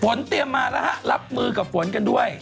เตรียมมาแล้วฮะรับมือกับฝนกันด้วย